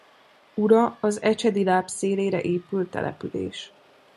Ura az Ecsedi láp szélére épült település.